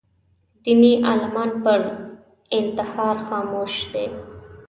دیني عالمان پر انتحار خاموش دي